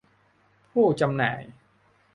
ผู้จำหน่าย